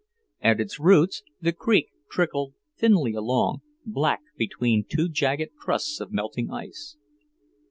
At its roots, the creek trickled thinly along, black between two jagged crusts of melting ice.